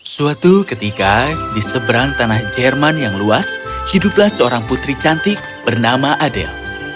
suatu ketika di seberang tanah jerman yang luas hiduplah seorang putri cantik bernama adel